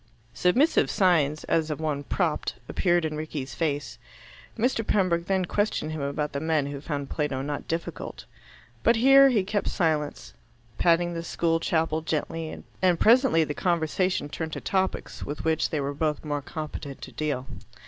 Submissive signs, as of one propped, appeared in Rickie's face. Mr. Pembroke then questioned him about the men who found Plato not difficult. But here he kept silence, patting the school chapel gently, and presently the conversation turned to topics with which they were both more competent to deal.